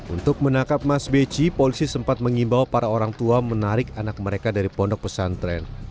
untuk menangkap mas beci polisi sempat mengimbau para orang tua menarik anak mereka dari pondok pesantren